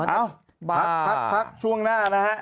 เอ้าพักช่วงหน้านะฮะ